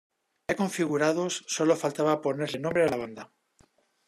Ya configurados, sólo faltaba ponerle nombre a la banda.